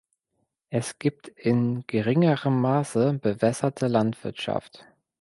Es gibt in geringerem Maße bewässerte Landwirtschaft.